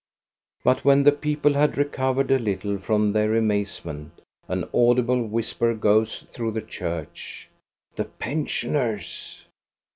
But when the people have recovered a little from THE PLASTER SAINTS 335 their amazement, an audible whisper goes through the church, —" The pensioners